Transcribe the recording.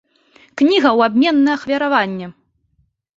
Кніга ў абмен на ахвяраванне!